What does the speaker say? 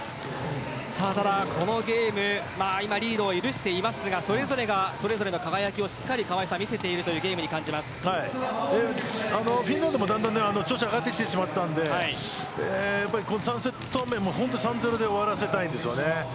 ただ、このゲーム今、リードを許していますがそれぞれがそれぞれの輝きを見せているフィンランドも、だんだん調子を上げてきているのでこの３セット目３‐０で終わらせたいんですよね。